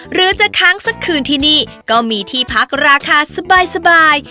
หรือจะค้างสักคืนที่นี่ก็มีที่พักราคาสบาย